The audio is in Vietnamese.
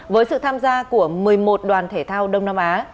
với sự tham gia của một mươi một đoàn thể thao đông nam á